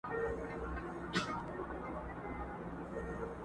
چاته ولیکم بیتونه پر چا وکړمه عرضونه!!